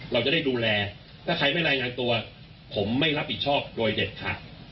เราจะได้ดูแลถ้าใครไม่รายงานตัวผมไม่รับผิดชอบโดยเด็ดขาด